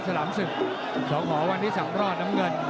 สองหอวันที่๓รอดน้ำเงิน